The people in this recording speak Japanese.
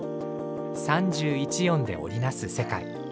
３１音で織り成す世界。